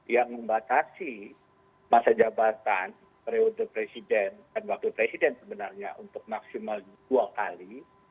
yang membatasi masa jabatan periode presiden dan wakil presiden sebenarnya untuk maksimal dua kali